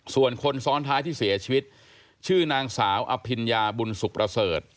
ส่วนคนซ้อนท้ายที่เสียชีวิตชื่อนางสาวอภิญญาบุญสุขประเสริฐ